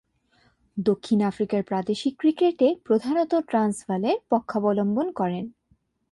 দক্ষিণ আফ্রিকার প্রাদেশিক ক্রিকেটে প্রধানতঃ ট্রান্সভালের পক্ষাবলম্বন করেন।